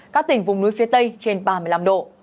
các tỉnh vùng núi phía tây trên ba mươi năm độ